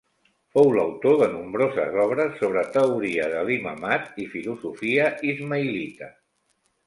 Fou l'autor de nombroses obres sobre teoria de l'imamat i filosofia ismaïlita.